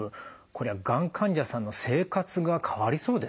これはがん患者さんの生活が変わりそうですね。